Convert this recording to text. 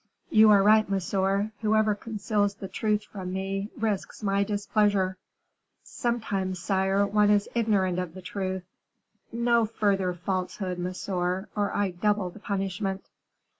"You are right, monsieur, whoever conceals the truth from me, risks my displeasure." "Sometimes, sire, one is ignorant of the truth." "No further falsehood, monsieur, or I double the punishment."